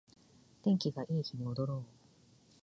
天気がいい日に踊ろう